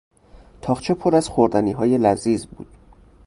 تاقچه پر از خوردنیهای لذیذ بود.